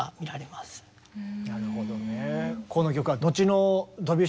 なるほどね。